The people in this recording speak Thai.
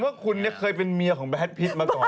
ว่าคุณเคยเป็นเมียของแบดพิษมาก่อน